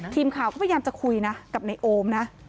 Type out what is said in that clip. ทีมข่าวก็พยายามจะคุยนะกับในโอมนะ